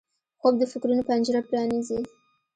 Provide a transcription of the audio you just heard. خوب د فکرونو پنجره پرانیزي